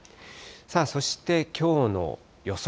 そしてきょうの予想